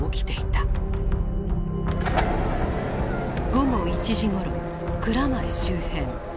午後１時ごろ蔵前周辺。